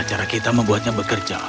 ini cara kita untuk membuatnya bekerja